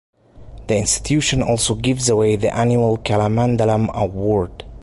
The institution also gives away the annual Kalamandalam award.